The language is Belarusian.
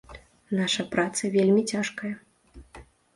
Наша праца вельмі цяжкая.